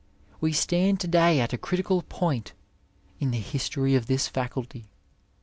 We stand to day at a critical point in the history of this faculty.